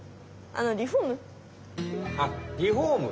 あリフォーム？